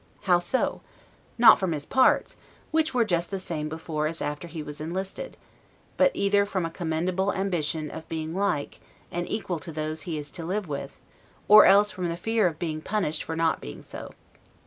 How so? Not from his parts; which were just the same before as after he was enlisted; but either from a commendable ambition of being like, and equal to those he is to live with; or else from the fear of being punished for not being so.